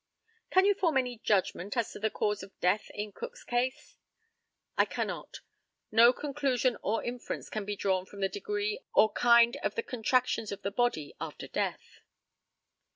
Can you form any judgment as to the cause of death in Cook's case? I cannot. No conclusion or inference can be drawn from the degree or kind of the contractions of the body after death.